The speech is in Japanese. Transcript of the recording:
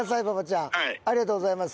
ありがとうございます。